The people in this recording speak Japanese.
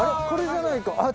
これじゃないか？